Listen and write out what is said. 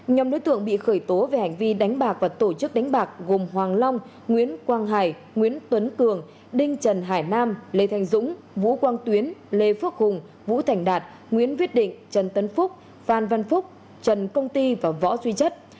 nhóm đối tượng bị khởi tố về hành vi đánh bạc và tổ chức đánh bạc gồm hoàng long nguyễn quang hải nguyễn tuấn cường đinh trần hải nam lê thanh dũng vũ quang tuyến lê phước hùng vũ thành đạt nguyễn viết định trần tấn phúc phan văn phúc trần công ti và võ duy chất